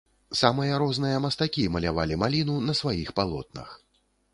Самыя розныя мастакі малявалі маліну на сваіх палотнах.